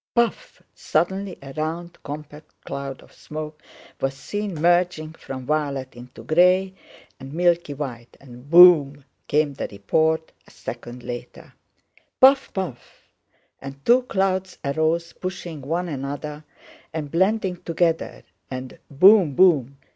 "Puff!"—suddenly a round compact cloud of smoke was seen merging from violet into gray and milky white, and "boom!" came the report a second later. "Puff! puff!"—and two clouds arose pushing one another and blending together; and "boom, boom!"